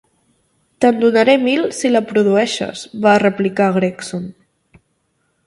"Te'n donaré mil si la produeixes", va replicar Gregson.